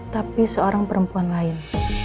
tapi seorang perempuan lain